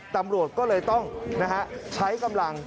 ตำรวจก็เลยต้องใช้กำลัง